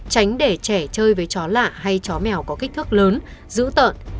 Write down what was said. tránh để trẻ chơi với chó lạ hay chó mèo có kích thước lớn giữ tợn